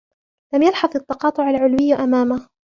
لم يلحظ التقاطع العلوي أمامه.